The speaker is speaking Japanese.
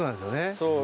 そう。